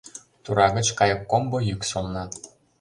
Тора гыч кайыккомбо йӱк солна.